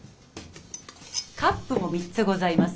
カップも３つございます。